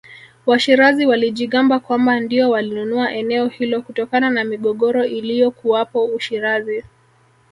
Washirazi walijigamba kwamba ndio walinunua eneo hilo kutokana na migogoro iliyokuwapo Ushirazi